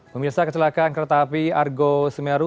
pemirsa kecelakaan kereta api argo semeru